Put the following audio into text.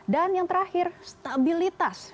dan yang terakhir stabilitas